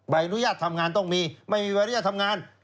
ใบอนุญาตทำงานต้องมีไม่มีใบอนุญาตทำงาน